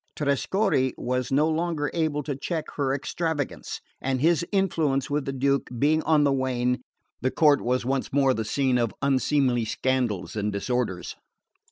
Trescorre was no longer able to check her extravagance, and his influence with the Duke being on the wane, the court was once more the scene of unseemly scandals and disorders.